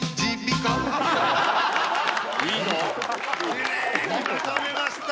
きれいにまとめました。